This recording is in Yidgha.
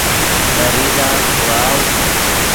ڤے ریزہ ݰیواؤ